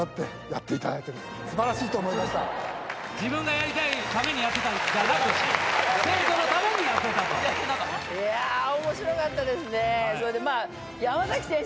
自分がやりたいためにやってたんじゃなく生徒のためにやってたと。ということがよく分かりました。